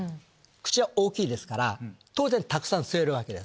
口は大きいですから当然たくさん吸えるわけです。